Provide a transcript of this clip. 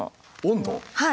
はい。